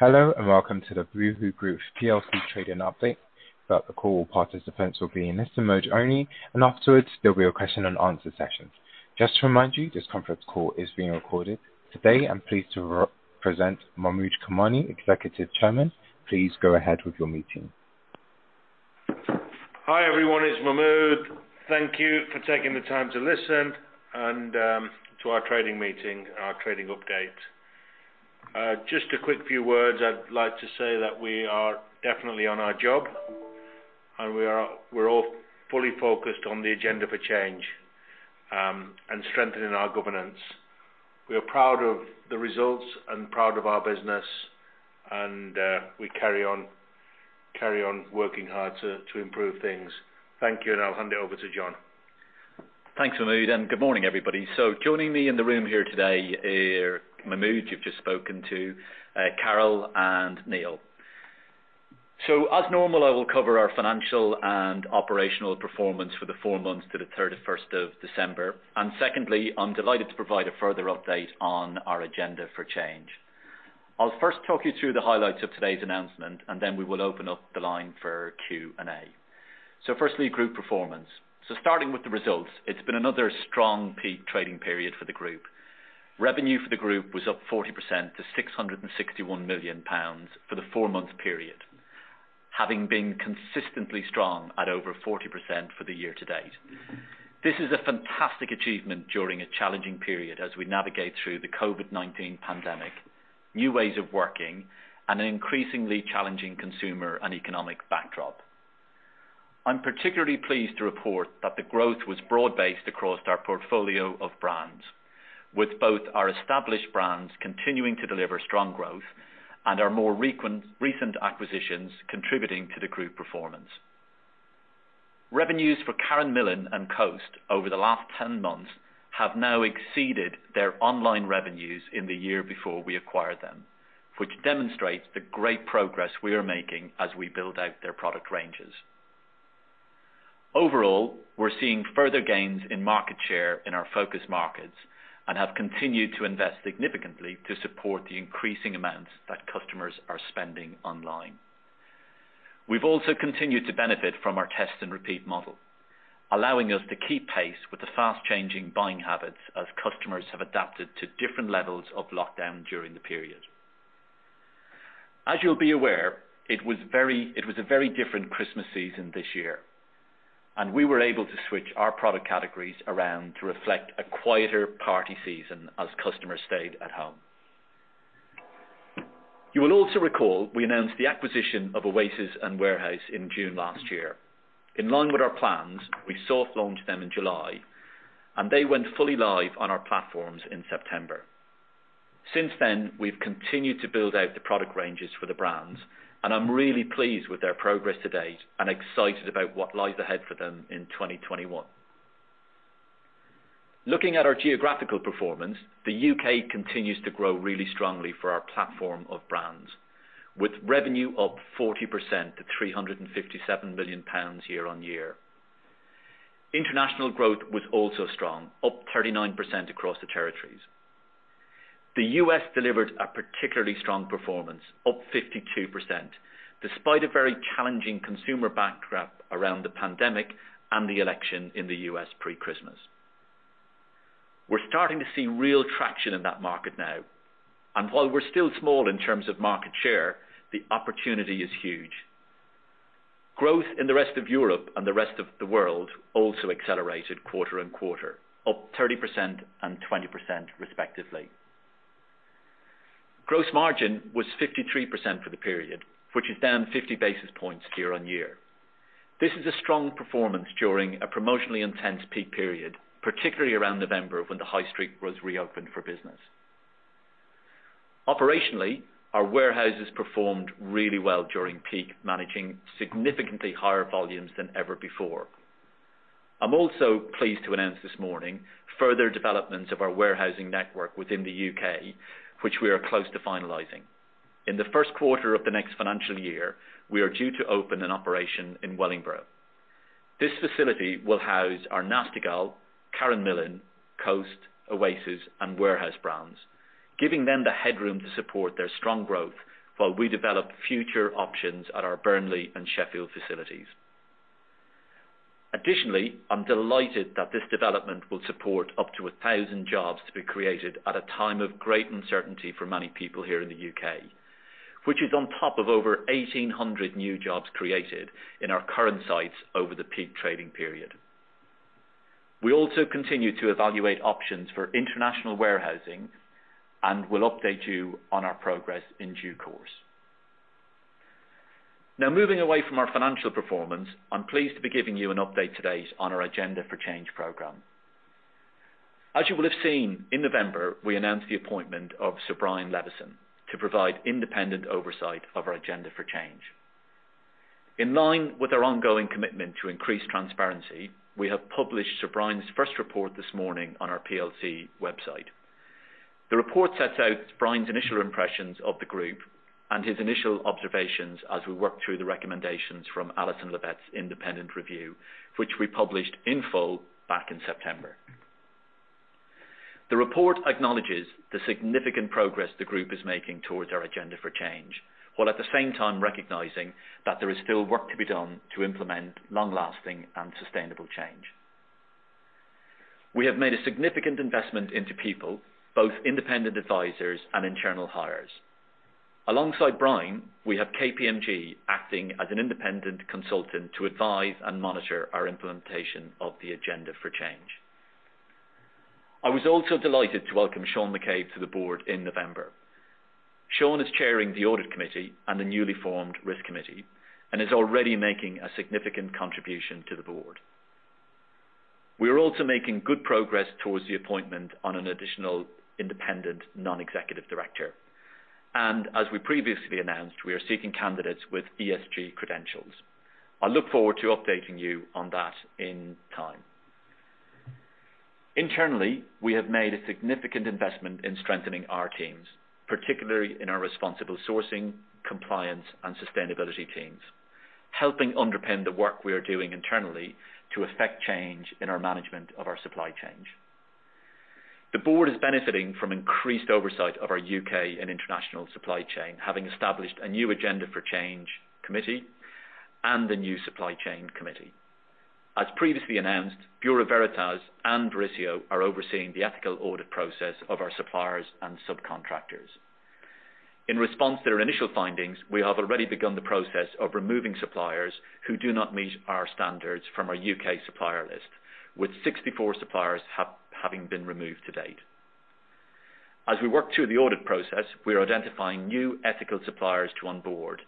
Hello and welcome to the Boohoo Group PLC's training update. The call participants will be in listen mode only, and afterwards there'll be a question and answer session. Just to remind you, this conference call is being recorded. Today I'm pleased to present Mahmud Kamani, Executive Chairman. Please go ahead with your meeting. Hi everyone, it's Mahmud. Thank you for taking the time to listen to our trading meeting and our trading update. Just a quick few words, I'd like to say that we are definitely on our job, and we're all fully focused on the Agenda for Change and strengthening our governance. We are proud of the results and proud of our business, and we carry on working hard to improve things. Thank you, and I'll hand it over to John. Thanks, Mahmud, and good morning everybody. Joining me in the room here today are Mahmud, you've just spoken to, Carol, and Neil. As normal, I will cover our financial and operational performance for the four months to the 31st of December. Secondly, I'm delighted to provide a further update on our Agenda for Change. I'll first talk you through the highlights of today's announcement, and then we will open up the line for Q&A. Firstly, group performance. Starting with the results, it's been another strong peak trading period for the group. Revenue for the group was up 40% to 661 million pounds for the four-month period, having been consistently strong at over 40% for the year to date. This is a fantastic achievement during a challenging period as we navigate through the COVID-19 pandemic, new ways of working, and an increasingly challenging consumer and economic backdrop. I'm particularly pleased to report that the growth was broad-based across our portfolio of brands, with both our established brands continuing to deliver strong growth and our more recent acquisitions contributing to the group performance. Revenues for Karen Millen and Coast over the last 10 months have now exceeded their online revenues in the year before we acquired them, which demonstrates the great progress we are making as we build out their product ranges. Overall, we're seeing further gains in market share in our focus markets and have continued to invest significantly to support the increasing amounts that customers are spending online. We've also continued to benefit from our test and repeat model, allowing us to keep pace with the fast-changing buying habits as customers have adapted to different levels of lockdown during the period. As you'll be aware, it was a very different Christmas season this year, and we were able to switch our product categories around to reflect a quieter party season as customers stayed at home. You will also recall we announced the acquisition of Oasis and Warehouse in June last year. In line with our plans, we soft-launched them in July, and they went fully live on our platforms in September. Since then, we've continued to build out the product ranges for the brands, and I'm really pleased with their progress to date and excited about what lies ahead for them in 2021. Looking at our geographical performance, the U.K. continues to grow really strongly for our platform of brands, with revenue up 40% to 357 million pounds year-over-year. International growth was also strong, up 39% across the territories. The U.S. delivered a particularly strong performance, up 52%, despite a very challenging consumer backdrop around the pandemic and the election in the U.S. pre-Christmas. We're starting to see real traction in that market now, and while we're still small in terms of market share, the opportunity is huge. Growth in the rest of Europe and the rest of the world also accelerated quarter-over-quarter, up 30% and 20% respectively. Gross margin was 53% for the period, which is down 50 basis points year-over-year. This is a strong performance during a promotionally intense peak period, particularly around November when the high street was reopened for business. Operationally, our warehouses performed really well during peak, managing significantly higher volumes than ever before. I'm also pleased to announce this morning further developments of our warehousing network within the U.K., which we are close to finalizing. In the first quarter of the next financial year, we are due to open an operation in Wellingborough. This facility will house our Nasty Gal, Karen Millen, Coast, Oasis, and Warehouse brands, giving them the headroom to support their strong growth while we develop future options at our Burnley and Sheffield facilities. Additionally, I'm delighted that this development will support up to 1,000 jobs to be created at a time of great uncertainty for many people here in the U.K., which is on top of over 1,800 new jobs created in our current sites over the peak trading period. We also continue to evaluate options for international warehousing and will update you on our progress in due course. Now, moving away from our financial performance, I'm pleased to be giving you an update today on our Agenda for Change program. As you will have seen, in November, we announced the appointment of Sir Brian Leveson to provide independent oversight of our Agenda for Change. In line with our ongoing commitment to increase transparency, we have published Sir Brian's first report this morning on our PLC website. The report sets out Brian's initial impressions of the group and his initial observations as we work through the recommendations from Alison Levitt independent review, which we published in full back in September. The report acknowledges the significant progress the group is making towards our Agenda for Change, while at the same time recognizing that there is still work to be done to implement long-lasting and sustainable change. We have made a significant investment into people, both independent advisors and internal hires. Alongside Brian, we have KPMG acting as an independent consultant to advise and monitor our implementation of the Agenda for Change. I was also delighted to welcome Shaun McCabe to the board in November. Shaun is chairing the Audit Committee and the newly formed Risk Committee and is already making a significant contribution to the board. We are also making good progress towards the appointment on an additional independent non-executive director. And as we previously announced, we are seeking candidates with ESG credentials. I look forward to updating you on that in time. Internally, we have made a significant investment in strengthening our teams, particularly in our responsible sourcing, compliance, and sustainability teams, helping underpin the work we are doing internally to affect change in our management of our supply chain. The board is benefiting from increased oversight of our UK and international supply chain, having established a new Agenda for Change committee and a new Supply Chain committee. As previously announced, Bureau Veritas and Verisio are overseeing the ethical audit process of our suppliers and subcontractors. In response to their initial findings, we have already begun the process of removing suppliers who do not meet our standards from our U.K. supplier list, with 64 suppliers having been removed to date. As we work through the audit process, we are identifying new ethical suppliers to onboard.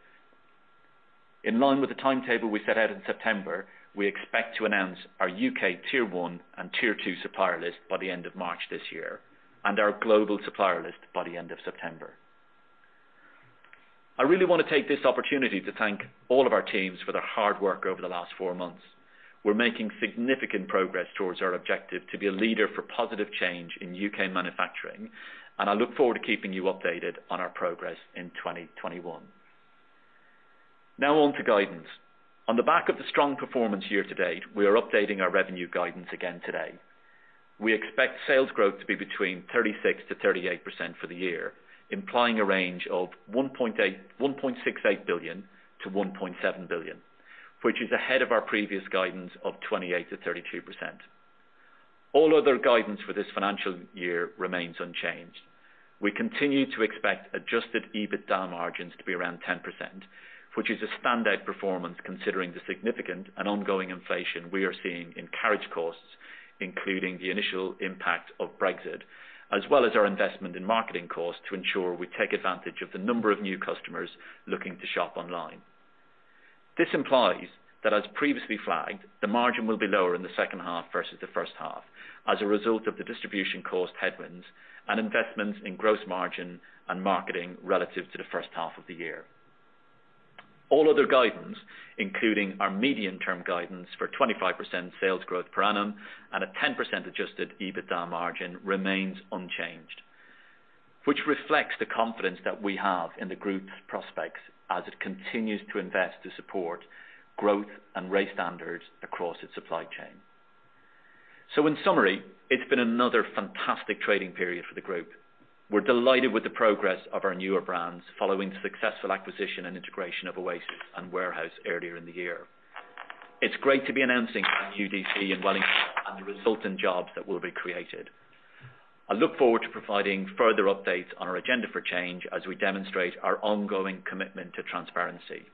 In line with the timetable we set out in September, we expect to announce our U.K. Tier 1 and Tier 2 supplier list by the end of March this year and our global supplier list by the end of September. I really want to take this opportunity to thank all of our teams for their hard work over the last four months. We're making significant progress towards our objective to be a leader for positive change in UK manufacturing, and I look forward to keeping you updated on our progress in 2021. Now on to guidance. On the back of the strong performance year to date, we are updating our revenue guidance again today. We expect sales growth to be between 36%-38% for the year, implying a range of 1.68 billion-1.7 billion, which is ahead of our previous guidance of 28%-32%. All other guidance for this financial year remains unchanged. We continue to expect adjusted EBITDA margins to be around 10%, which is a standout performance considering the significant and ongoing inflation we are seeing in carriage costs, including the initial impact of Brexit, as well as our investment in marketing costs to ensure we take advantage of the number of new customers looking to shop online. This implies that, as previously flagged, the margin will be lower in the second half versus the first half as a result of the distribution cost headwinds and investments in gross margin and marketing relative to the first half of the year. All other guidance, including our medium-term guidance for 25% sales growth per annum and a 10% adjusted EBITDA margin, remains unchanged, which reflects the confidence that we have in the group's prospects as it continues to invest to support growth and raise standards across its supply chain. In summary, it's been another fantastic trading period for the group. We're delighted with the progress of our newer brands following the successful acquisition and integration of Oasis and Warehouse earlier in the year. It's great to be announcing our new DC in Wellingborough and the resultant jobs that will be created. I look forward to providing further updates on our Agenda for Change as we demonstrate our ongoing commitment to transparency.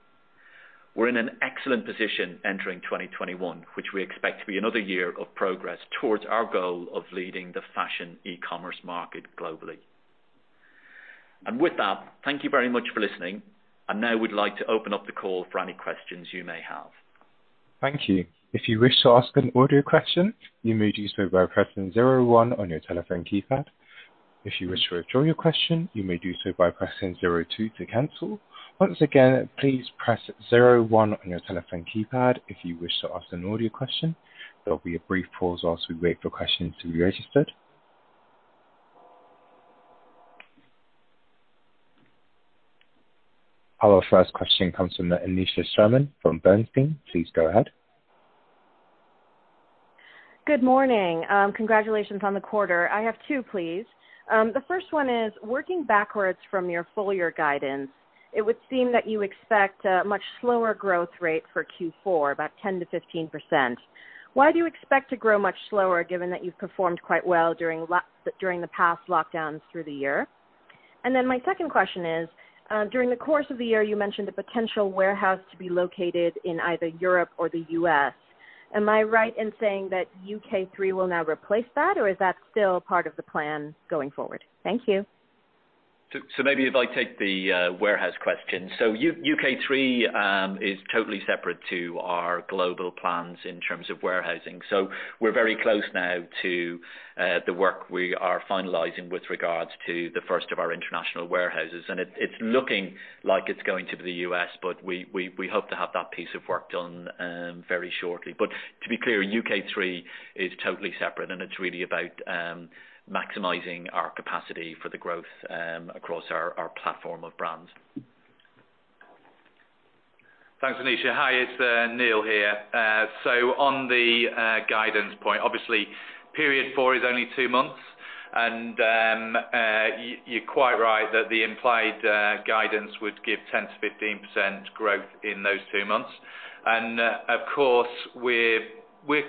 We're in an excellent position entering 2021, which we expect to be another year of progress towards our goal of leading the fashion e-commerce market globally. With that, thank you very much for listening, and now we'd like to open up the call for any questions you may have. Thank you. If you wish to ask an audio question, you may do so by pressing 01 on your telephone keypad. If you wish to withdraw your question, you may do so by pressing 02 to cancel. Once again, please press 01 on your telephone keypad if you wish to ask an audio question. There'll be a brief pause whilst we wait for questions to be registered. Our first question comes from Aneesha Sherman from Bernstein. Please go ahead. Good morning. Congratulations on the quarter. I have two, please. The first one is working backwards from your full year guidance, it would seem that you expect a much slower growth rate for Q4, about 10%-15%. Why do you expect to grow much slower given that you've performed quite well during the past lockdowns through the year? And then my second question is, during the course of the year, you mentioned the potential warehouse to be located in either Europe or the U.S. Am I right in saying that UK3 will now replace that, or is that still part of the plan going forward? Thank you. So maybe if I take the warehouse question. So UK3 is totally separate to our global plans in terms of warehousing. So we're very close now to the work we are finalizing with regards to the first of our international warehouses. And it's looking like it's going to be the U.S., but we hope to have that piece of work done very shortly. But to be clear, UK3 is totally separate, and it's really about maximizing our capacity for the growth across our platform of brands. Thanks, Anisha. Hi, it's Neil here. So on the guidance point, obviously, period four is only two months, and you're quite right that the implied guidance would give 10%-15% growth in those two months. And of course, we're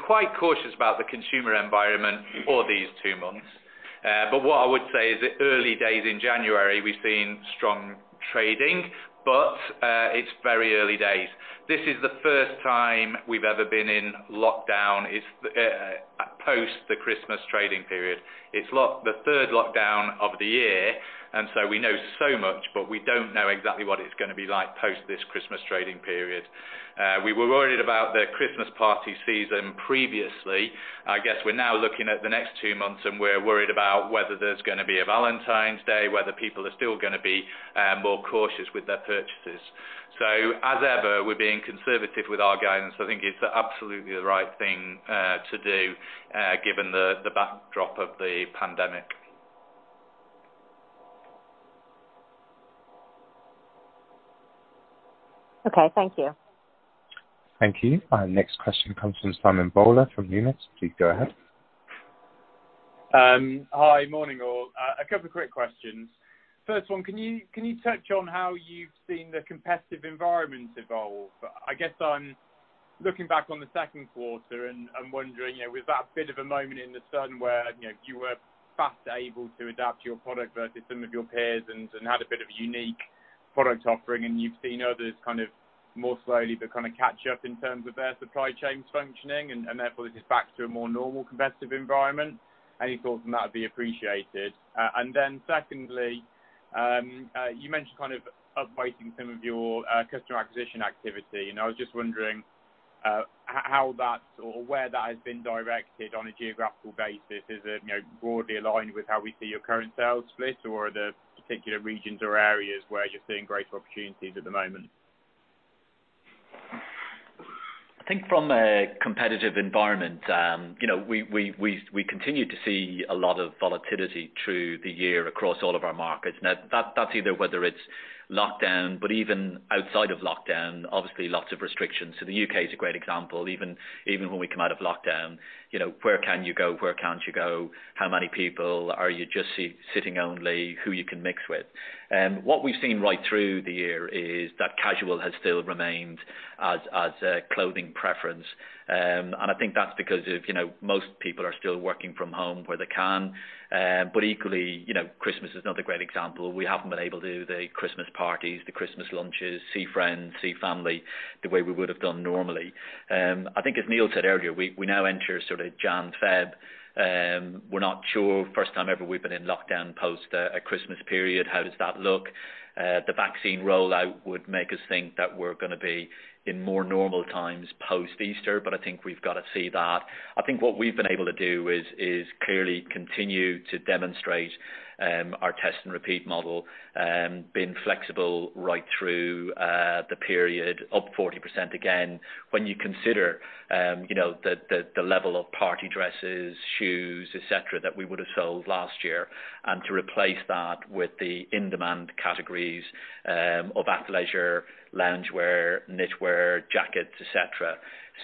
quite cautious about the consumer environment for these two months. But what I would say is, early days in January, we've seen strong trading, but it's very early days. This is the first time we've ever been in lockdown post the Christmas trading period. It's the third lockdown of the year, and so we know so much, but we don't know exactly what it's going to be like post this Christmas trading period. We were worried about the Christmas party season previously. I guess we're now looking at the next two months, and we're worried about whether there's going to be a Valentine's Day, whether people are still going to be more cautious with their purchases. So as ever, we're being conservative with our guidance. I think it's absolutely the right thing to do given the backdrop of the pandemic. Okay. Thank you. Thank you. Next question comes from Simon Bowler from Numis. Please go ahead. Hi, morning all. A couple of quick questions. First one, can you touch on how you've seen the competitive environment evolve? I guess I'm looking back on the second quarter and wondering, was that a bit of a moment in the sun where you were fast able to adapt your product versus some of your peers and had a bit of a unique product offering, and you've seen others kind of more slowly but kind of catch up in terms of their supply chains functioning, and therefore this is back to a more normal competitive environment? Any thoughts on that would be appreciated. And then secondly, you mentioned kind of updating some of your customer acquisition activity. And I was just wondering how that or where that has been directed on a geographical basis. Is it broadly aligned with how we see your current sales split, or are there particular regions or areas where you're seeing greater opportunities at the moment? I think from a competitive environment, we continue to see a lot of volatility through the year across all of our markets. That's either whether it's lockdown, but even outside of lockdown, obviously lots of restrictions. The U.K. is a great example. Even when we come out of lockdown, where can you go, where can't you go, how many people are you just sitting only, who you can mix with? What we've seen right through the year is that casual has still remained as a clothing preference. I think that's because most people are still working from home where they can. Equally, Christmas is another great example. We haven't been able to do the Christmas parties, the Christmas lunches, see friends, see family the way we would have done normally. I think as Neil said earlier, we now enter sort of January-February. We're not sure. First time ever we've been in lockdown post a Christmas period, how does that look? The vaccine rollout would make us think that we're going to be in more normal times post Easter, but I think we've got to see that. I think what we've been able to do is clearly continue to demonstrate our test and repeat model, being flexible right through the period, up 40% again, when you consider the level of party dresses, shoes, etc., that we would have sold last year, and to replace that with the in-demand categories of athleisure, loungewear, knitwear, jackets, etc.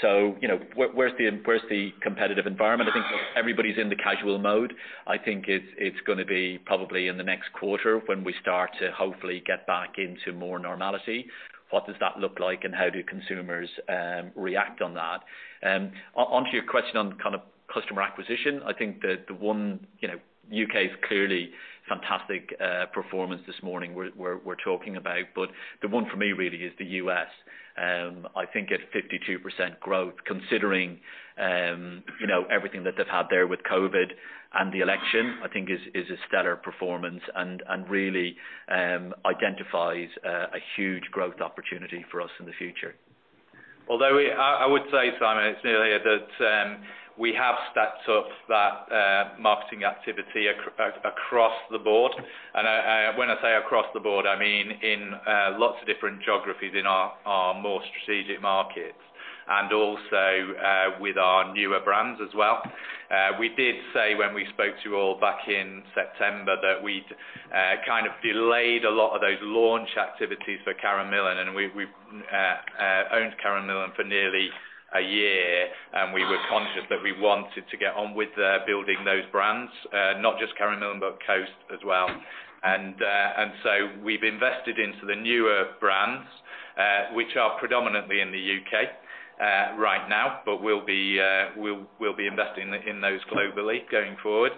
So where's the competitive environment? I think everybody's in the casual mode. I think it's going to be probably in the next quarter when we start to hopefully get back into more normality. What does that look like, and how do consumers react on that? Onto your question on kind of customer acquisition, I think the one U.K.'s clearly fantastic performance this morning we're talking about, but the one for me really is the U.S. I think at 52% growth, considering everything that they've had there with COVID and the election, I think is a stellar performance and really identifies a huge growth opportunity for us in the future. Although I would say, Simon, it's nearly here that we have stacked up that marketing activity across the board. And when I say across the board, I mean in lots of different geographies in our more strategic markets and also with our newer brands as well. We did say when we spoke to you all back in September that we'd kind of delayed a lot of those launch activities for Karen Millen, and we've owned Karen Millen for nearly a year, and we were conscious that we wanted to get on with building those brands, not just Karen Millen, but Coast as well. And so we've invested into the newer brands, which are predominantly in the UK right now, but we'll be investing in those globally going forward.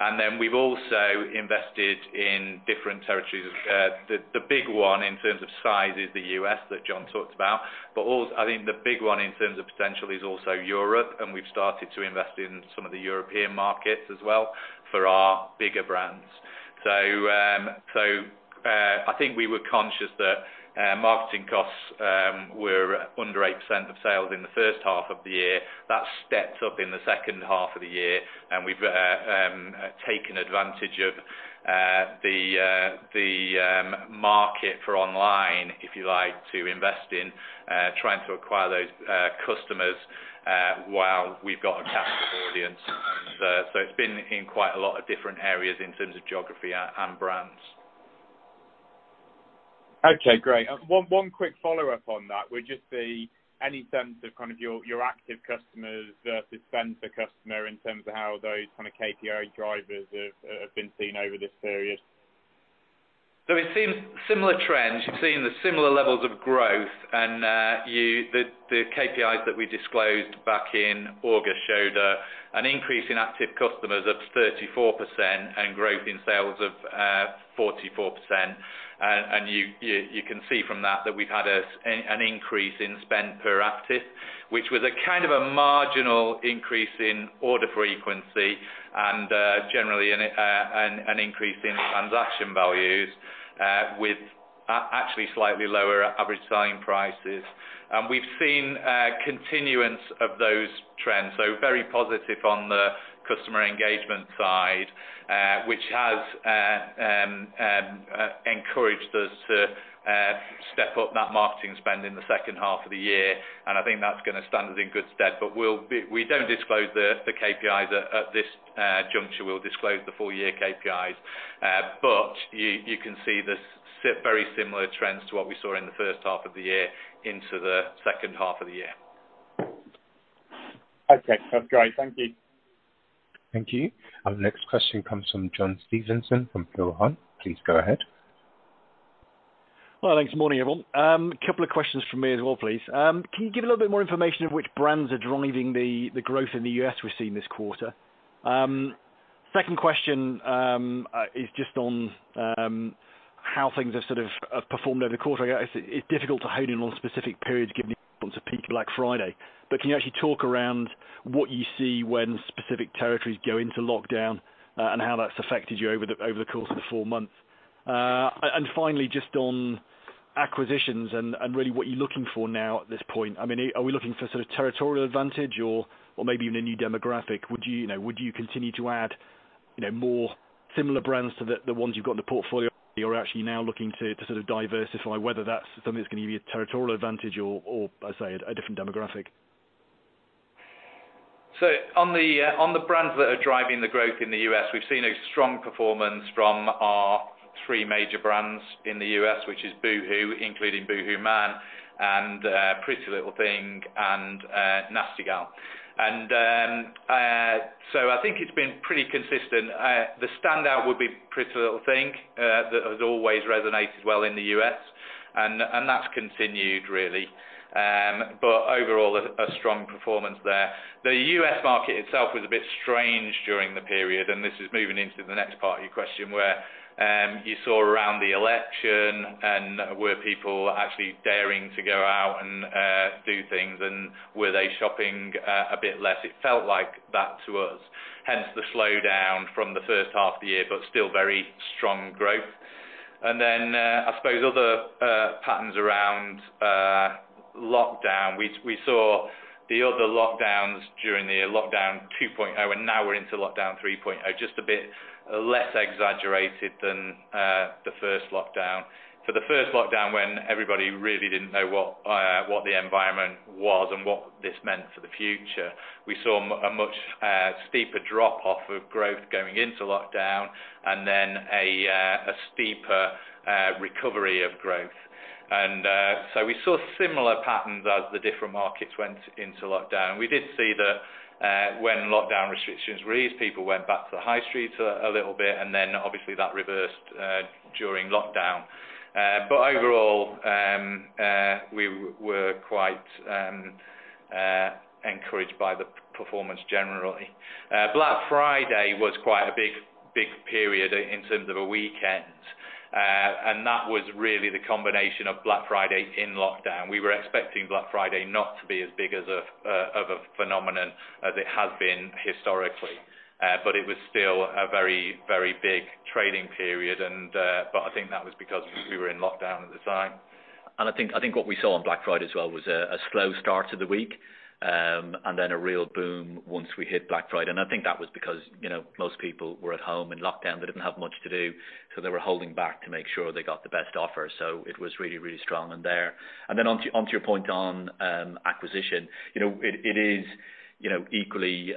And then we've also invested in different territories. The big one in terms of size is the U.S. that John talked about, but I think the big one in terms of potential is also Europe, and we've started to invest in some of the European markets as well for our bigger brands. So I think we were conscious that marketing costs were under 8% of sales in the first half of the year. That stepped up in the second half of the year, and we've taken advantage of the market for online, if you like, to invest in trying to acquire those customers while we've got a captive audience. So it's been in quite a lot of different areas in terms of geography and brands. Okay. Great. One quick follow-up on that would just be any sense of kind of your active customers versus spend-per-customer in terms of how those kind of KPI drivers have been seen over this period? We've seen similar trends. You've seen the similar levels of growth, and the KPIs that we disclosed back in August showed an increase in active customers of 34% and growth in sales of 44%. You can see from that that we've had an increase in spend-per-active, which was a kind of a marginal increase in order frequency and generally an increase in transaction values with actually slightly lower average selling prices. We've seen continuance of those trends, so very positive on the customer engagement side, which has encouraged us to step up that marketing spend in the second half of the year. I think that's going to stand us in good stead. But we don't disclose the KPIs at this juncture. We'll disclose the full year KPIs. You can see the very similar trends to what we saw in the first half of the year into the second half of the year. Okay. That's great. Thank you. Thank you. The next question comes from John Stevenson from Peel Hunt, please go ahead. Hi, thanks. Morning everyone. A couple of questions from me as well, please. Can you give a little bit more information of which brands are driving the growth in the U.S. we've seen this quarter? Second question is just on how things have sort of performed over the quarter. It's difficult to hone in on specific periods given the importance of people like Friday. But can you actually talk around what you see when specific territories go into lockdown and how that's affected you over the course of the four months? And finally, just on acquisitions and really what you're looking for now at this point. I mean, are we looking for sort of territorial advantage or maybe even a new demographic? Would you continue to add more similar brands to the ones you've got in the portfolio, or are you actually now looking to sort of diversify whether that's something that's going to give you a territorial advantage or, as I say, a different demographic? So on the brands that are driving the growth in the US, we've seen a strong performance from our three major brands in the US, which is Boohoo, including Boohoo Man, and Pretty Little Thing, and Nasty Gal. So I think it's been pretty consistent. The standout would be Pretty Little Thing that has always resonated well in the US, and that's continued really. But overall, a strong performance there. The US market itself was a bit strange during the period, and this is moving into the next part of your question where you saw around the election and where people actually daring to go out and do things and where they shopping a bit less. It felt like that to us. Hence the slowdown from the first half of the year, but still very strong growth. Then I suppose other patterns around lockdown. We saw the other lockdowns during the year, lockdown 2.0, and now we're into lockdown 3.0, just a bit less exaggerated than the first lockdown. For the first lockdown, when everybody really didn't know what the environment was and what this meant for the future, we saw a much steeper drop-off of growth going into lockdown and then a steeper recovery of growth. So we saw similar patterns as the different markets went into lockdown. We did see that when lockdown restrictions raised, people went back to the high streets a little bit, and then obviously that reversed during lockdown. Overall, we were quite encouraged by the performance generally. Black Friday was quite a big period in terms of a weekend, and that was really the combination of Black Friday in lockdown. We were expecting Black Friday not to be as big of a phenomenon as it has been historically, but it was still a very, very big trading period. But I think that was because we were in lockdown at the time. And I think what we saw on Black Friday as well was a slow start to the week and then a real boom once we hit Black Friday. And I think that was because most people were at home in lockdown, they didn't have much to do, so they were holding back to make sure they got the best offer. So it was really, really strong in there. And then onto your point on acquisition, it is equally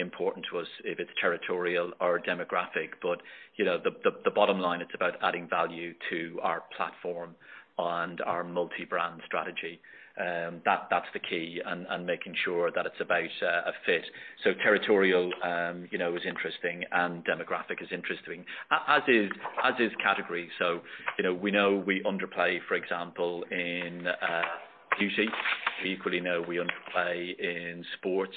important to us if it's territorial or demographic, but the bottom line, it's about adding value to our platform and our multi-brand strategy. That's the key and making sure that it's about a fit. So territorial is interesting and demographic is interesting, as is categories. So we know we underplay, for example, in beauty. We equally know we underplay in sports.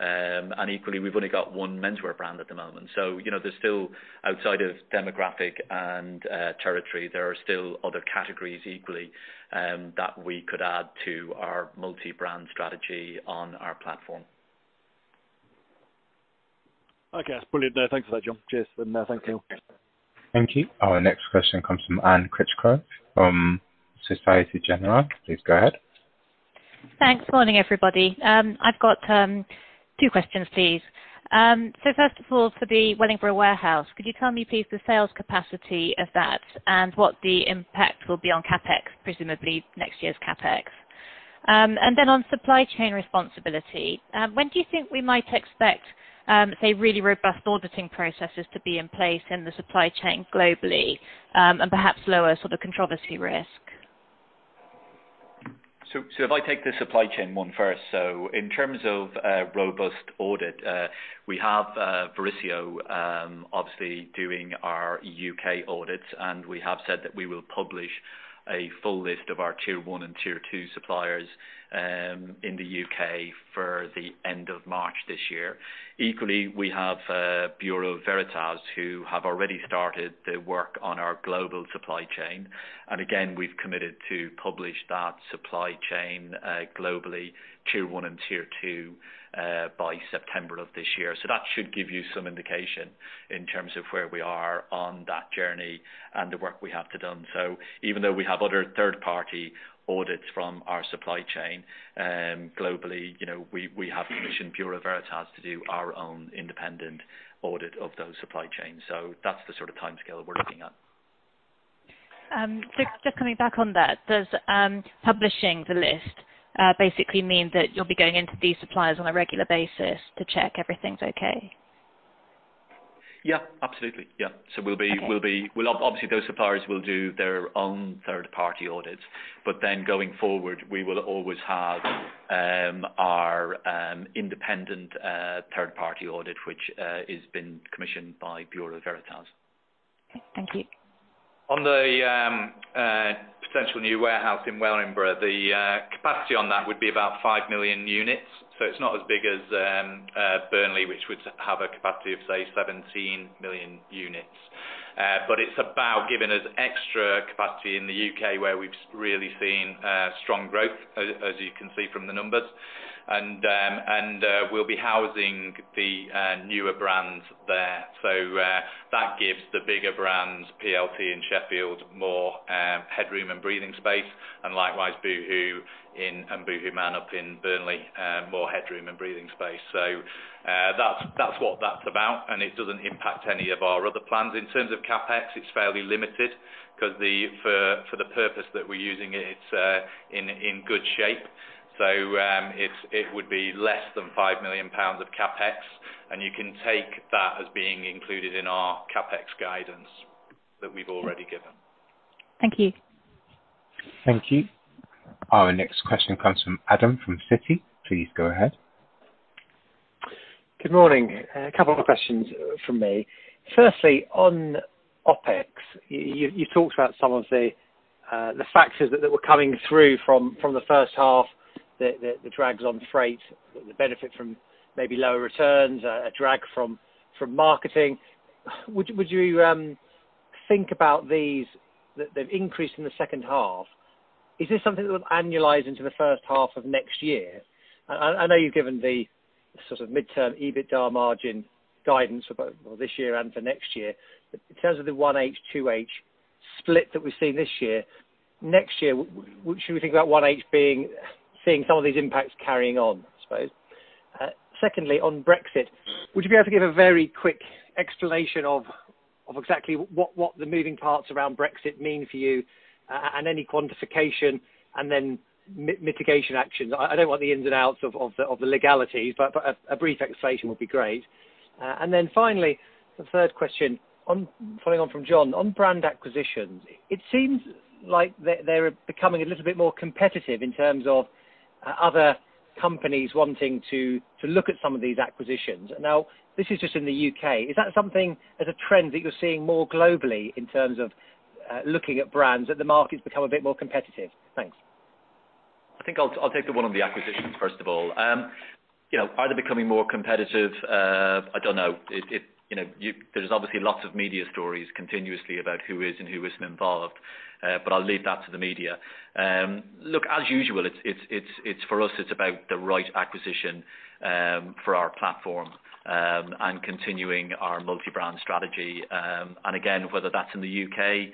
And equally, we've only got one menswear brand at the moment. So there's still, outside of demographic and territory, there are still other categories equally that we could add to our multi-brand strategy on our platform. Okay. Brilliant. Thanks for that, John. Cheers. Thank you. Thank you. Our next question comes from Anne Critchlow from Société Générale. Please go ahead. Thanks. Morning, everybody. I've got two questions, please. So first of all, for the Wellingborough warehouse, could you tell me, please, the sales capacity of that and what the impact will be on CapEx, presumably next year's CapEx? And then on supply chain responsibility, when do you think we might expect, say, really robust auditing processes to be in place in the supply chain globally and perhaps lower sort of controversy risk? So if I take the supply chain one first, so in terms of robust audit, we have Verisio obviously doing our UK audits, and we have said that we will publish a full list of our tier one and tier two suppliers in the UK for the end of March this year. Equally, we have Bureau Veritas who have already started the work on our global supply chain. And again, we've committed to publish that supply chain globally, tier one and tier two, by September of this year. So that should give you some indication in terms of where we are on that journey and the work we have to done. So even though we have other third-party audits from our supply chain globally, we have commissioned Bureau Veritas to do our own independent audit of those supply chains. So that's the sort of timescale we're looking at. Just coming back on that, does publishing the list basically mean that you'll be going into these suppliers on a regular basis to check everything's okay? Yeah. Absolutely. Yeah. So we'll obviously, those suppliers will do their own third-party audits. But then going forward, we will always have our independent third-party audit, which has been commissioned by Bureau Veritas. Thank you. On the potential new warehouse in Wellingborough, the capacity on that would be about 5 million units. It's not as big as Burnley, which would have a capacity of, say, 17 million units. It's about giving us extra capacity in the U.K. where we've really seen strong growth, as you can see from the numbers. We'll be housing the newer brands there. That gives the bigger brands, PLT and Sheffield, more headroom and breathing space, and likewise Boohoo and Boohoo Man up in Burnley, more headroom and breathing space. That's what that's about, and it doesn't impact any of our other plans. In terms of CapEx, it's fairly limited because for the purpose that we're using it, it's in good shape. It would be less than 5 million pounds of CapEx, and you can take that as being included in our CapEx guidance that we've already given. Thank you. Thank you. Our next question comes from Adam from Citi. Please go ahead. Good morning. A couple of questions from me. Firstly, on OpEx, you talked about some of the factors that were coming through from the first half, the drags on freight, the benefit from maybe lower returns, a drag from marketing. Would you think about these that they've increased in the second half? Is this something that will annualize into the first half of next year? I know you've given the sort of midterm EBITDA margin guidance for this year and for next year. But in terms of the 1H, 2H split that we've seen this year, next year, should we think about 1H seeing some of these impacts carrying on, I suppose? Secondly, on Brexit, would you be able to give a very quick explanation of exactly what the moving parts around Brexit mean for you and any quantification and then mitigation actions? I don't want the ins and outs of the legalities, but a brief explanation would be great. Then finally, the third question, following on from John, on brand acquisitions, it seems like they're becoming a little bit more competitive in terms of other companies wanting to look at some of these acquisitions. Now, this is just in the UK. Is that something as a trend that you're seeing more globally in terms of looking at brands that the markets become a bit more competitive? Thanks. I think I'll take the one on the acquisitions, first of all. Are they becoming more competitive? I don't know. There's obviously lots of media stories continuously about who is and who isn't involved, but I'll leave that to the media. Look, as usual, for us, it's about the right acquisition for our platform and continuing our multi-brand strategy. And again, whether that's in the U.K.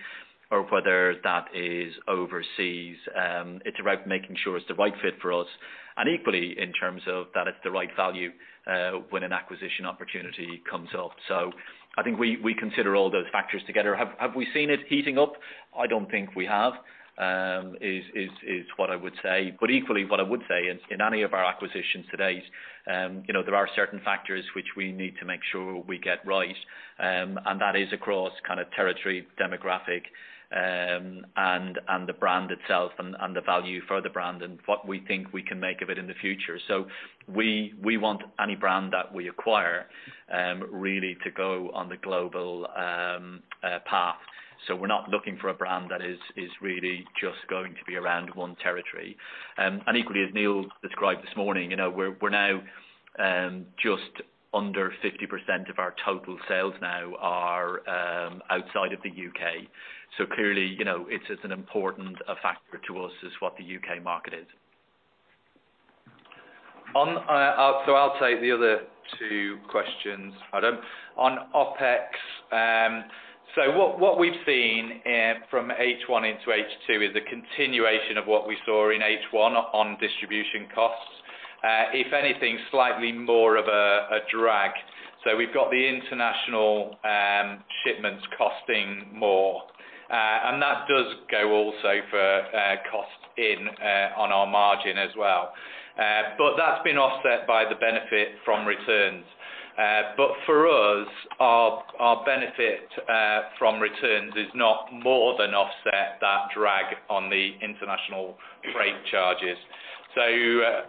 or whether that is overseas, it's about making sure it's the right fit for us and equally in terms of that it's the right value when an acquisition opportunity comes up. So I think we consider all those factors together. Have we seen it heating up? I don't think we have is what I would say. But equally, what I would say in any of our acquisitions today is there are certain factors which we need to make sure we get right, and that is across kind of territory, demographic, and the brand itself and the value for the brand and what we think we can make of it in the future. So we want any brand that we acquire really to go on the global path. So we're not looking for a brand that is really just going to be around one territory. And equally, as Neil described this morning, we're now just under 50% of our total sales now are outside of the U.K. So clearly, it's as important a factor to us as what the U.K. market is. So I'll take the other two questions, Adam. On OpEx, so what we've seen from H1 into H2 is a continuation of what we saw in H1 on distribution costs, if anything, slightly more of a drag. So we've got the international shipments costing more. And that does go also for costing on our margin as well. But that's been offset by the benefit from returns. But for us, our benefit from returns is not more than offset that drag on the international freight charges. So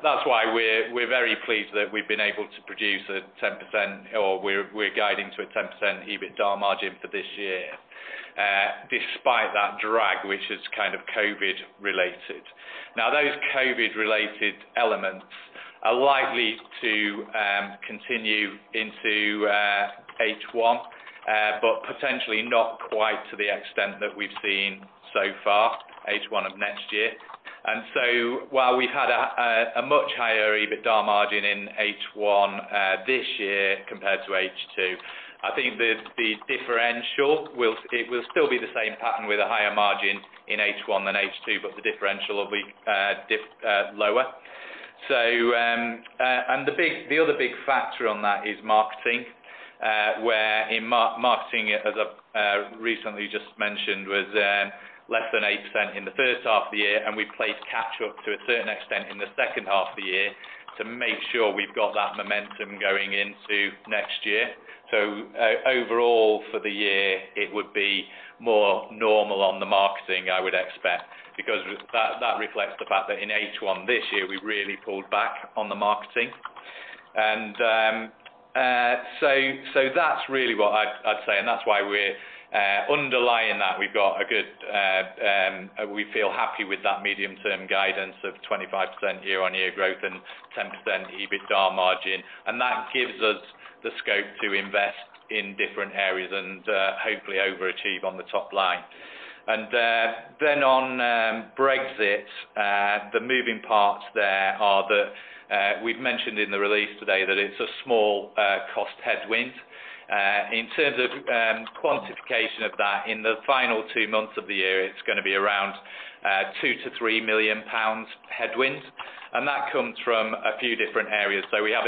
that's why we're very pleased that we've been able to produce a 10% or we're guiding to a 10% EBITDA margin for this year despite that drag, which is kind of COVID-related. Now, those COVID-related elements are likely to continue into H1, but potentially not quite to the extent that we've seen so far, H1 of next year. And so while we've had a much higher EBITDA margin in H1 this year compared to H2, I think the differential, it will still be the same pattern with a higher margin in H1 than H2, but the differential will be lower. And the other big factor on that is marketing, where in marketing, as I recently just mentioned, was less than 8% in the first half of the year, and we've played catch-up to a certain extent in the second half of the year to make sure we've got that momentum going into next year. So overall, for the year, it would be more normal on the marketing, I would expect, because that reflects the fact that in H1 this year, we really pulled back on the marketing. And so that's really what I'd say, and that's why we're underlying that we've got a good we feel happy with that medium-term guidance of 25% year-on-year growth and 10% EBITDA margin. And that gives us the scope to invest in different areas and hopefully overachieve on the top line. And then on Brexit, the moving parts there are that we've mentioned in the release today that it's a small cost headwind. In terms of quantification of that, in the final two months of the year, it's going to be around 2 million-3 million pounds headwind. And that comes from a few different areas. So we have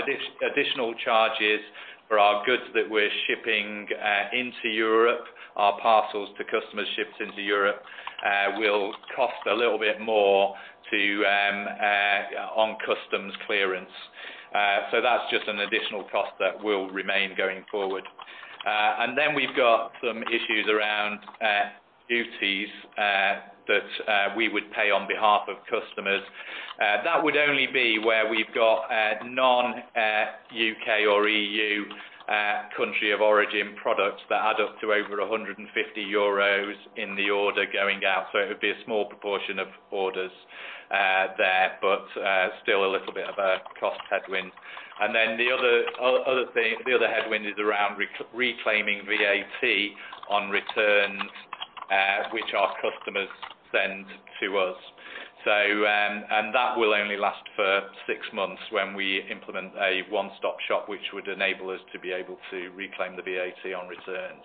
additional charges for our goods that we're shipping into Europe. Our parcels to customers shipped into Europe will cost a little bit more on customs clearance. So that's just an additional cost that will remain going forward. And then we've got some issues around duties that we would pay on behalf of customers. That would only be where we've got non-UK or EU country of origin products that add up to over 150 euros in the order going out. So it would be a small proportion of orders there, but still a little bit of a cost headwind. And then the other headwind is around reclaiming VAT on returns which our customers send to us. And that will only last for six months when we implement a one-stop shop, which would enable us to be able to reclaim the VAT on returns.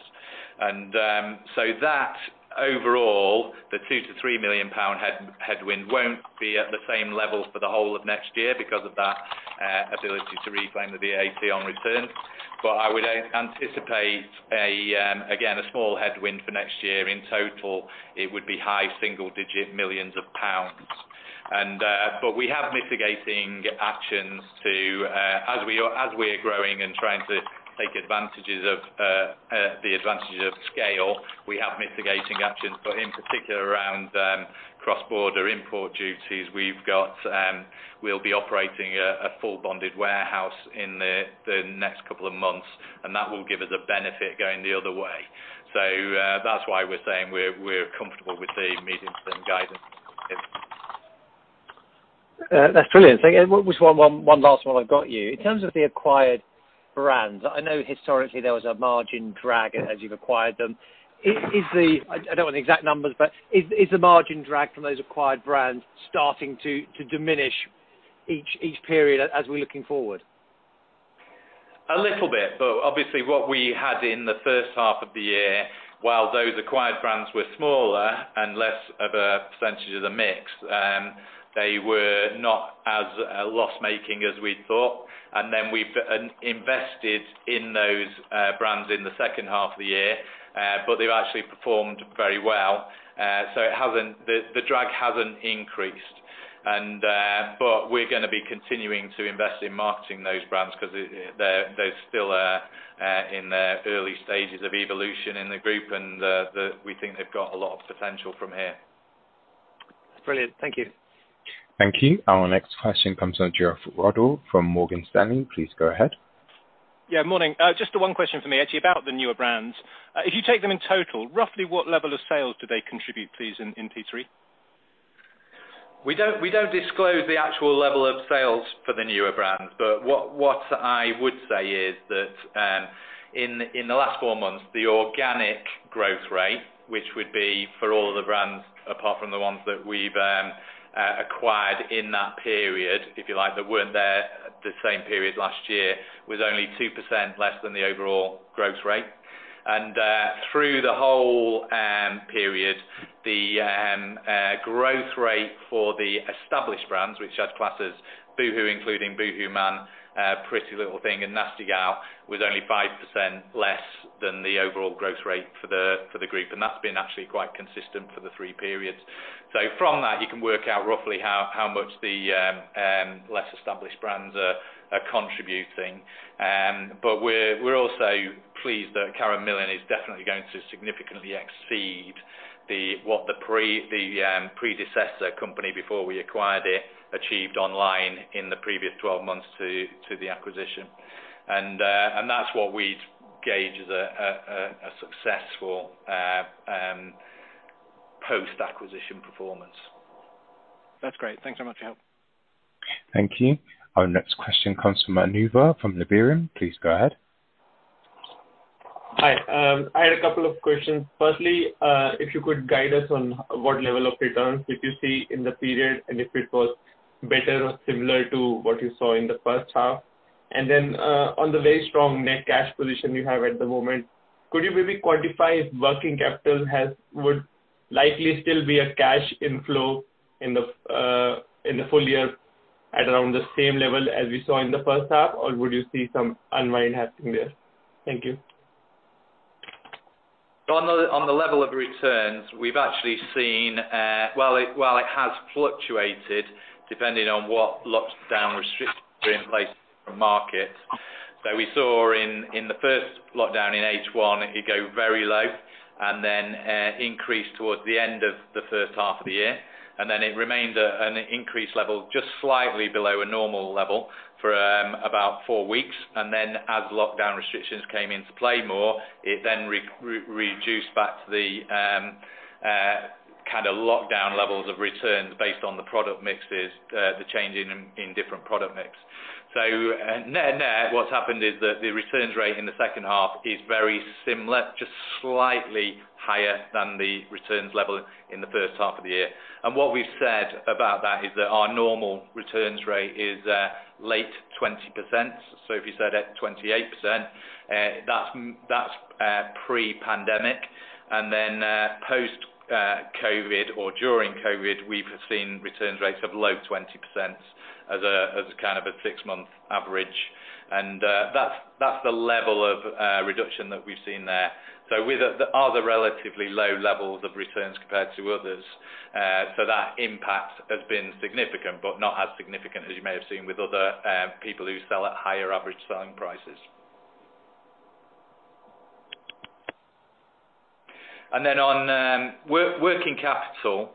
And so that, overall, the 2 million-3 million pound headwind won't be at the same level for the whole of next year because of that ability to reclaim the VAT on returns. But I would anticipate, again, a small headwind for next year. In total, it would be GBP high single-digit millions. But we have mitigating actions to, as we are growing and trying to take advantages of the advantages of scale, we have mitigating actions. But in particular, around cross-border import duties, we'll be operating a full-bonded warehouse in the next couple of months, and that will give us a benefit going the other way. So that's why we're saying we're comfortable with the medium-term guidance. That's brilliant. So one last one I've got you. In terms of the acquired brands, I know historically there was a margin drag as you've acquired them. I don't want the exact numbers, but is the margin drag from those acquired brands starting to diminish each period as we're looking forward? A little bit. But obviously, what we had in the first half of the year, while those acquired brands were smaller and less of a percentage of the mix, they were not as loss-making as we'd thought. And then we've invested in those brands in the second half of the year, but they've actually performed very well. So the drag hasn't increased. But we're going to be continuing to invest in marketing those brands because they're still in the early stages of evolution in the group, and we think they've got a lot of potential from here. Brilliant. Thank you. Thank you. Our next question comes from Geoff Ruddell from Morgan Stanley. Please go ahead. Yeah. Morning. Just the one question from me, actually, about the newer brands. If you take them in total, roughly what level of sales do they contribute, please, in P3? We don't disclose the actual level of sales for the newer brands, but what I would say is that in the last four months, the organic growth rate, which would be for all of the brands apart from the ones that we've acquired in that period, if you like, that weren't there the same period last year, was only 2% less than the overall growth rate. And through the whole period, the growth rate for the established brands, which I'd class as Boohoo, including Boohoo Man, Pretty Little Thing, and Nasty Gal, was only 5% less than the overall growth rate for the group. And that's been actually quite consistent for the three periods. So from that, you can work out roughly how much the less established brands are contributing. We're also pleased that Karen Millen is definitely going to significantly exceed what the predecessor company before we acquired it achieved online in the previous 12 months to the acquisition. That's what we'd gauge as a successful post-acquisition performance. That's great. Thanks very much for your help. Thank you. Our next question comes from Anusha from Liberum. Please go ahead. Hi. I had a couple of questions. Firstly, if you could guide us on what level of returns did you see in the period and if it was better or similar to what you saw in the first half? Then on the very strong net cash position you have at the moment, could you maybe quantify if working capital would likely still be a cash inflow in the full year at around the same level as we saw in the first half, or would you see some unwind happening there? Thank you. On the level of returns, we've actually seen, while it has fluctuated depending on what lockdown restrictions were in place from markets, that we saw in the first lockdown in H1, it would go very low and then increase towards the end of the first half of the year. And then it remained an increase level just slightly below a normal level for about four weeks. And then as lockdown restrictions came into play more, it then reduced back to the kind of lockdown levels of returns based on the product mixes, the changing in different product mix. So what's happened is that the returns rate in the second half is very similar, just slightly higher than the returns level in the first half of the year. And what we've said about that is that our normal returns rate is late 20%. So if you said at 28%, that's pre-pandemic. Then post-COVID or during COVID, we've seen return rates of low 20% as kind of a six-month average. That's the level of reduction that we've seen there. So with other relatively low levels of returns compared to others, so that impact has been significant, but not as significant as you may have seen with other people who sell at higher average selling prices. Then on working capital,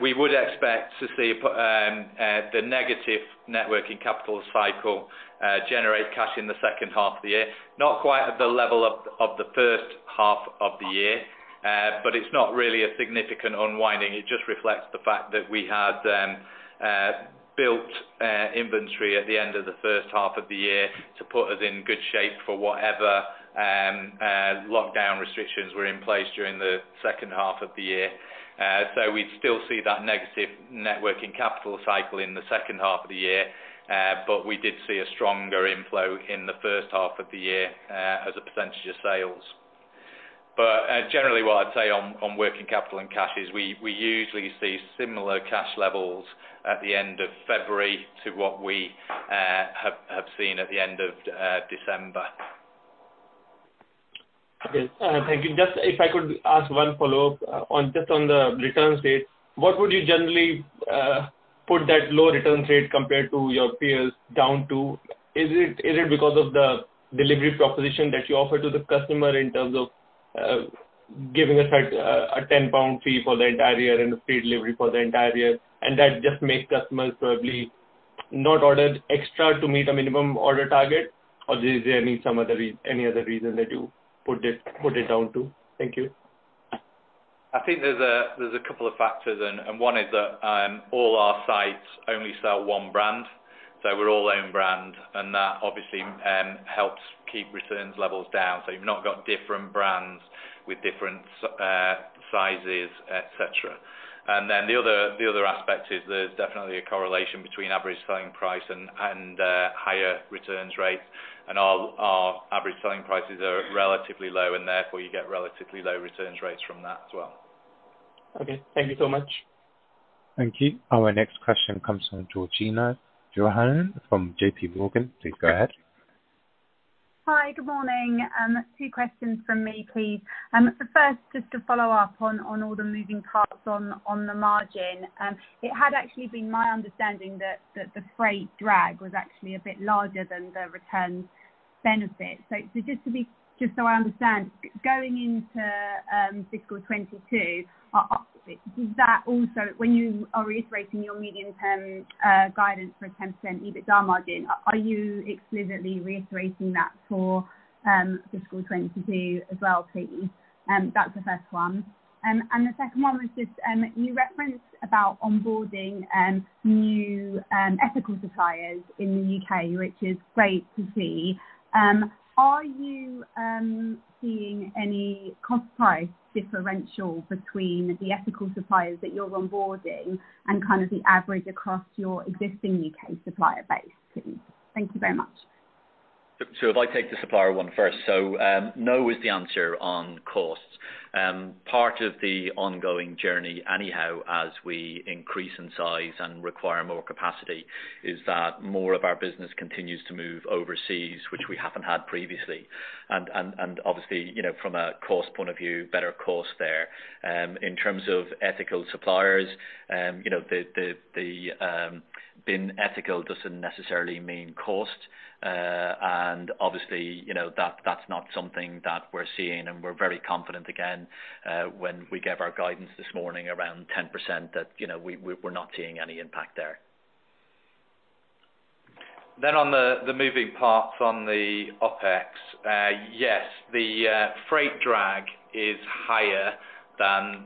we would expect to see the negative working capital cycle generate cash in the second half of the year. Not quite at the level of the first half of the year, but it's not really a significant unwinding. It just reflects the fact that we had built inventory at the end of the first half of the year to put us in good shape for whatever lockdown restrictions were in place during the second half of the year. We'd still see that negative net working capital cycle in the second half of the year, but we did see a stronger inflow in the first half of the year as a percentage of sales. Generally, what I'd say on working capital and cash is we usually see similar cash levels at the end of February to what we have seen at the end of December. Thank you. Just if I could ask one follow-up just on the returns rate, what would you generally put that low returns rate compared to your peers down to? Is it because of the delivery proposition that you offer to the customer in terms of giving us a £10 fee for the entire year and a free delivery for the entire year? And that just makes customers probably not order extra to meet a minimum order target, or is there any other reason that you put it down to? Thank you. I think there's a couple of factors. One is that all our sites only sell one brand. We're all own brand, and that obviously helps keep returns levels down. You've not got different brands with different sizes, etc. Then the other aspect is there's definitely a correlation between average selling price and higher returns rates. Our average selling prices are relatively low, and therefore you get relatively low returns rates from that as well. Okay. Thank you so much. Thank you. Our next question comes from Georgina Johanan from J.P. Morgan. Please go ahead. Hi. Good morning. Two questions from me, please. First, just to follow up on all the moving parts on the margin. It had actually been my understanding that the freight drag was actually a bit larger than the return benefit. So just so I understand, going into fiscal 2022, when you are reiterating your medium-term guidance for a 10% EBITDA margin, are you explicitly reiterating that for fiscal 2022 as well, please? That's the first one. And the second one was just you referenced about onboarding new ethical suppliers in the U.K., which is great to see. Are you seeing any cost-price differential between the ethical suppliers that you're onboarding and kind of the average across your existing U.K. supplier base, please? Thank you very much. So if I take the supplier one first, so no is the answer on cost. Part of the ongoing journey anyhow, as we increase in size and require more capacity, is that more of our business continues to move overseas, which we haven't had previously. And obviously, from a cost point of view, better cost there. In terms of ethical suppliers, being ethical doesn't necessarily mean cost. And obviously, that's not something that we're seeing. And we're very confident, again, when we gave our guidance this morning around 10%, that we're not seeing any impact there. Then on the moving parts on the OpEx, yes, the freight drag is higher than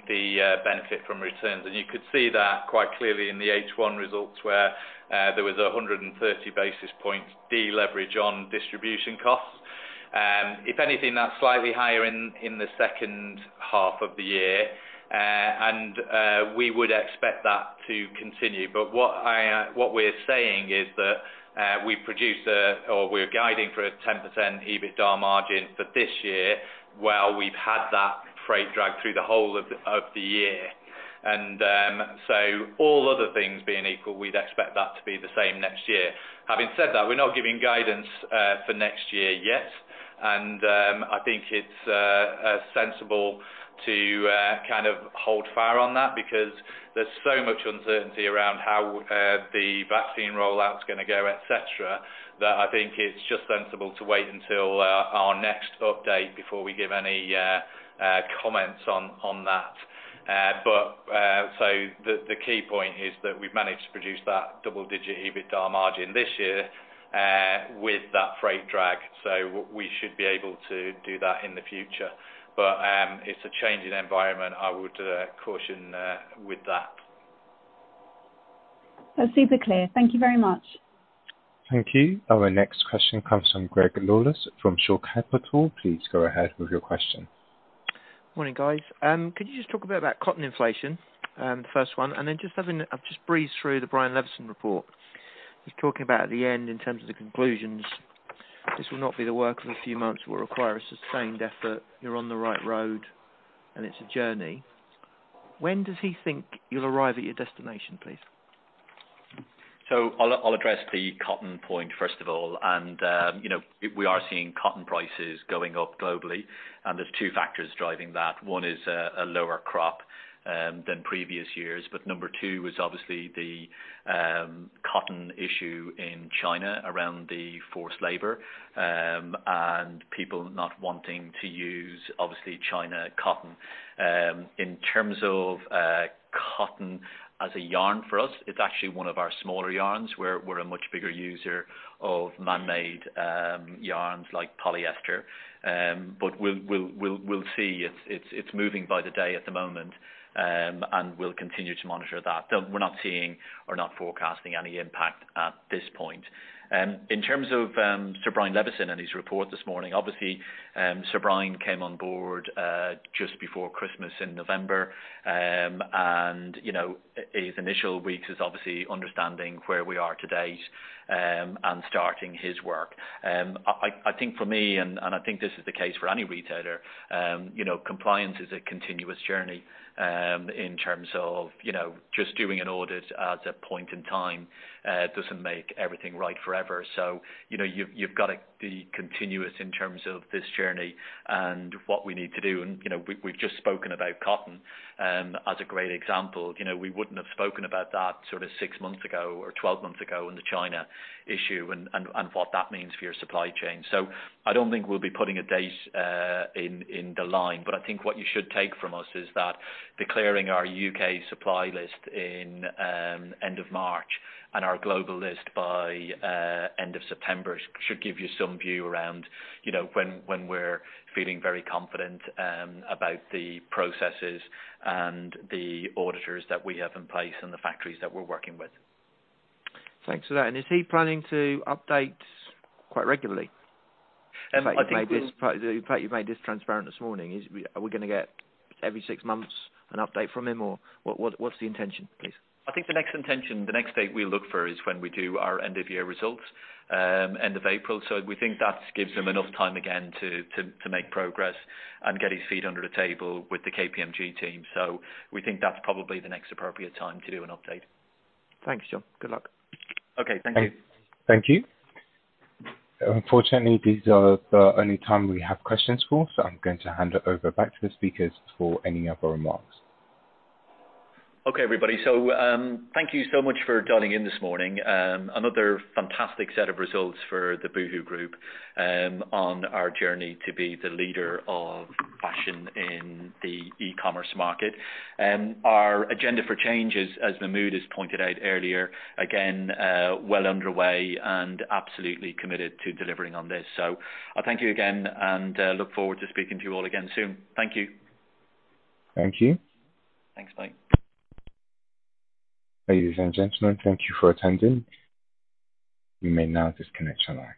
the benefit from returns. You could see that quite clearly in the H1 results where there was a 130 basis points deleverage on distribution costs. If anything, that's slightly higher in the second half of the year. We would expect that to continue. But what we're saying is that we've produced or we're guiding for a 10% EBITDA margin for this year while we've had that freight drag through the whole of the year. So all other things being equal, we'd expect that to be the same next year. Having said that, we're not giving guidance for next year yet. And I think it's sensible to kind of hold fire on that because there's so much uncertainty around how the vaccine rollout's going to go, etc., that I think it's just sensible to wait until our next update before we give any comments on that. But so the key point is that we've managed to produce that double-digit EBITDA margin this year with that freight drag. So we should be able to do that in the future. But it's a changing environment. I would caution with that. That's super clear. Thank you very much. Thank you. Our next question comes from Greg Lawless from Shore Capital. Please go ahead with your question. Morning, guys. Could you just talk a bit about cotton inflation, the first one? And then just breeze through the Brian Levison report. He's talking about at the end in terms of the conclusions, "This will not be the work of a few months. It will require a sustained effort. You're on the right road, and it's a journey." When does he think you'll arrive at your destination, please? So I'll address the cotton point, first of all. We are seeing cotton prices going up globally. There's two factors driving that. One is a lower crop than previous years. But number two was obviously the cotton issue in China around the forced labor and people not wanting to use, obviously, China cotton. In terms of cotton as a yarn for us, it's actually one of our smaller yarns. We're a much bigger user of man-made yarns like polyester. But we'll see. It's moving by the day at the moment, and we'll continue to monitor that. We're not seeing or not forecasting any impact at this point. In terms of Sir Brian Levison and his report this morning, obviously, Sir Brian came on board just before Christmas, in November. His initial weeks is obviously understanding where we are today and starting his work. I think for me, and I think this is the case for any retailer, compliance is a continuous journey in terms of just doing an audit at a point in time doesn't make everything right forever. So you've got to be continuous in terms of this journey and what we need to do. And we've just spoken about cotton as a great example. We wouldn't have spoken about that sort of six months ago or 12 months ago on the China issue and what that means for your supply chain. So I don't think we'll be putting a date in the line. I think what you should take from us is that declaring our UK supply list in end of March and our global list by end of September should give you some view around when we're feeling very confident about the processes and the auditors that we have in place and the factories that we're working with. Thanks for that. And is he planning to update quite regularly? In fact, he's made this. In fact, you've made this transparent this morning. Are we going to get every six months an update from him, or what's the intention, please? I think the next intention, the next date we look for is when we do our end-of-year results, end of April. So we think that gives him enough time again to make progress and get his feet under the table with the KPMG team. So we think that's probably the next appropriate time to do an update. Thanks, John. Good luck. Okay. Thank you. Thank you. Unfortunately, these are the only times we have questions for, so I'm going to hand it over back to the speakers for any other remarks. Okay, everybody. So thank you so much for dialing in this morning. Another fantastic set of results for the Boohoo Group on our journey to be the leader of fashion in the e-commerce market. Our agenda for change, as Mahmud has pointed out earlier, again, well underway and absolutely committed to delivering on this. So I thank you again and look forward to speaking to you all again soon. Thank you. Thank you. Thanks. Bye. Ladies and gentlemen, thank you for attending. You may now disconnect your line.